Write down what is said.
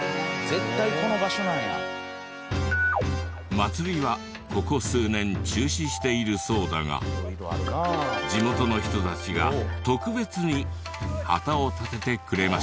祭りはここ数年中止しているそうだが地元の人たちが特別に旗を立ててくれました。